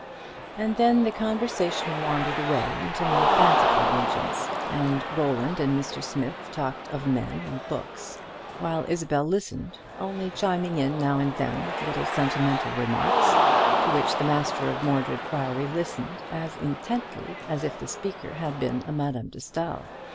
And then the conversation wandered away into more fanciful regions; and Roland and Mr. Smith talked of men and books, while Isabel listened, only chiming in now and then with little sentimental remarks, to which the master of Mordred Priory listened as intently as if the speaker had been a Madame de Staël.